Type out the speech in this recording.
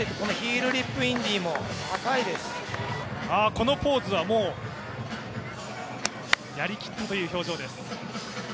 このポーズはもう、やりきったという表情です。